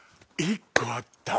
１個あった。